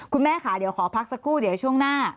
คุณแม่ค่ะเดี๋ยวขอพักสักครู่เดี๋ยวช่วงหน้า